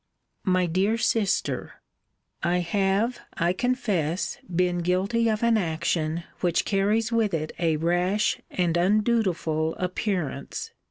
MY DEAR SISTER, I have, I confess, been guilty of an action which carries with it a rash and undutiful appearance.